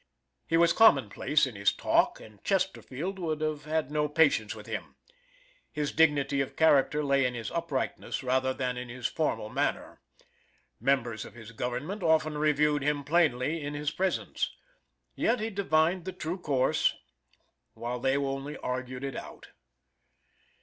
He was commonplace in his talk, and Chesterfield would have had no patience with him; his dignity of character lay in his uprightness rather than in his formal manner. Members of his government often reviewed him plainly in his presence. Yet he divined the true course, while they only argued it out.